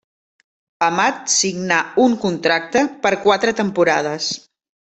Amat signà un contracte per quatre temporades.